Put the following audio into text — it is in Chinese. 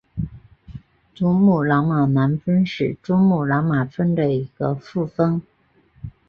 珠穆朗玛南峰是珠穆朗玛峰的一个副峰。